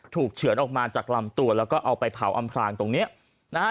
เฉือนออกมาจากลำตัวแล้วก็เอาไปเผาอำพลางตรงเนี้ยนะฮะ